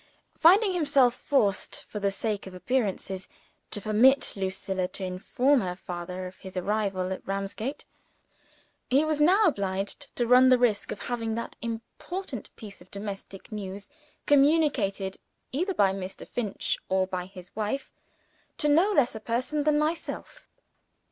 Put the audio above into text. Finding himself forced, for the sake of appearances, to permit Lucilla to inform her father of his arrival at Ramsgate, he was now obliged to run the risk of having that important piece of domestic news communicated either by Mr. Finch or by his wife to no less a person than myself.